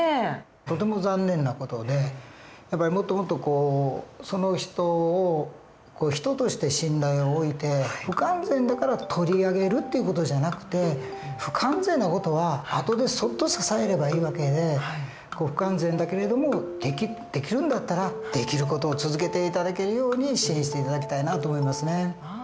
とても残念な事でやっぱりもっともっとその人を人として信頼を置いて不完全だから取り上げるっていう事じゃなくて不完全な事は後でそっと支えればいい訳で不完全だけれどもできるんだったらできる事を続けて頂けるように支援して頂きたいなと思いますね。